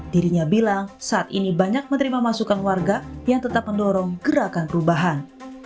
dirinya bilang saat ini banyak menerima masukan warga yang tetap mendorong gerakan perubahan